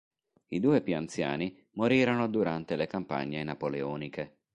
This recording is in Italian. I due più anziani morirono durante le campagne napoleoniche.